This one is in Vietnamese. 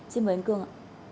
xin mời anh cương ạ